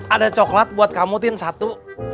ada coklat buat kamu tim satu